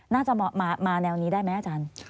น่าจะมาแนวนี้ได้ไหมอาจารย์